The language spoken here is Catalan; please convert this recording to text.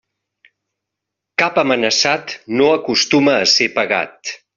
Cap amenaçat, no acostuma a ser pegat.